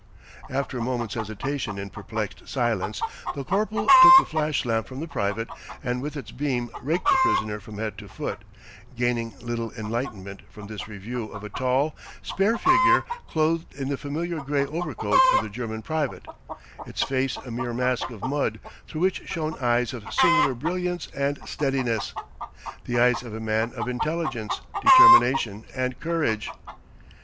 After a moment's hesitation in perplexed silence, the corporal took the flash lamp from the private and with its beam raked the prisoner from head to foot, gaining little enlightenment from this review of a tall, spare figure clothed in the familiar gray overcoat of the German private its face a mere mask of mud through which shone eyes of singular brilliance and steadiness, the eyes of a man of intelligence, determination, and courage.